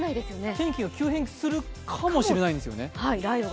天気が急変するかもしれないんですよね。